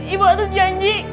ibu harus janji